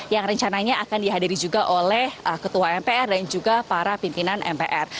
yang rencananya akan dihadiri juga oleh ketua mpr dan juga para pimpinan mpr